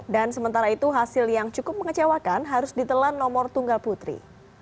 dan sementara itu hasil yang cukup mengecewakan harus ditelan nomor tunggal putri